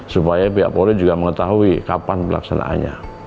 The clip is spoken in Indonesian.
supaya pihak polri juga mengetahui kapan pelaksanaannya